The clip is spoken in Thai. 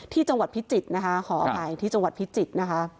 ที่จังหวัดพิจิตร